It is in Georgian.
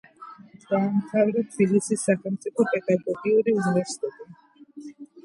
დაამთავრა თბილისის სახელმწიფო პედაგოგიური უნივერსიტეტი.